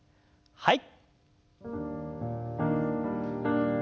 はい。